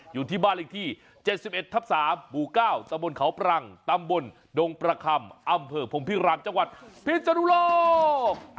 อยู่ที่บ้านเลขที่๗๑ทับ๓หมู่๙ตะบนเขาปรังตำบลดงประคำอำเภอพรมพิรามจังหวัดพิศนุโลก